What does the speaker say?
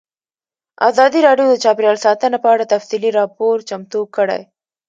ازادي راډیو د چاپیریال ساتنه په اړه تفصیلي راپور چمتو کړی.